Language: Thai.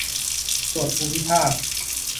ส่วนภูมิภาค